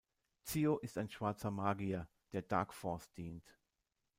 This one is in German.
Zio ist ein schwarzer Magier, der Dark Force dient.